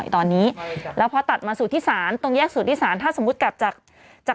ต้องไล่เรียนค่ะ